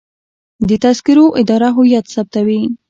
د تذکرو اداره هویت ثبتوي